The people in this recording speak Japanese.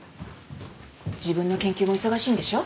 自分の研究も忙しいんでしょ？